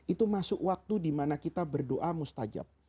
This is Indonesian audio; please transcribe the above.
itu masuk waktu dimana kita berdoa mustajab